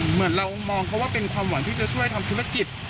เหมือนเรามองเขาว่าเป็นความหวังที่จะช่วยทำธุรกิจ